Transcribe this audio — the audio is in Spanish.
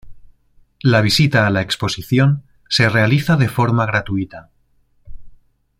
La visita a la exposición se realiza de forma gratuita.